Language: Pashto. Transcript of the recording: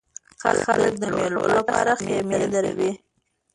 خلک د مېلو له پاره خیمې دروي.